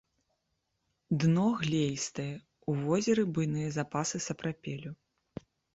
Дно глеістае, у возеры буйныя запасы сапрапелю.